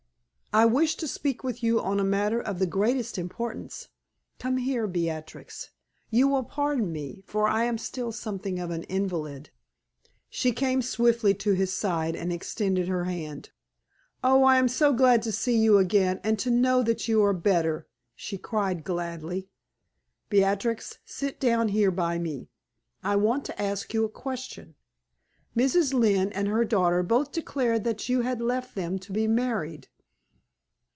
I wish to speak with you on a matter of the greatest importance. Come here, Beatrix. You will pardon me, for I am still something of an invalid." She came swiftly to his side and extended her hand. "Oh, I am so glad to see you again and to know that you are better!" she cried, gladly. "Beatrix, sit down here by me; I want to ask you a question. Mrs. Lynne and her daughter both declared that you had left them to be married."